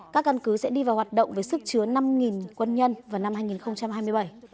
các căn cứ sẽ đi vào hoạt động với sức chứa năm quân nhân vào năm hai nghìn hai mươi bảy